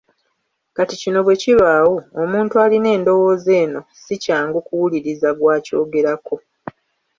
Kati kino bwe kibaawo omuntu alina endowooza eno si kyangu kuwuliriza gw’akyogerako.